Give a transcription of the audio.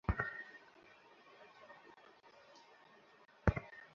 কারণ মাবল তাদের বলতে চলেছে আমি?